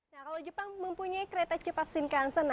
kalau jepang mempunyai kereta cepat shinkansen